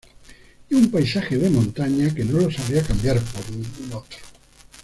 Y un paisaje de montaña que no lo sabría cambiar por ningún otro".